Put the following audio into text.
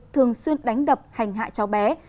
thường xuyên đánh đập hành hại cháu bé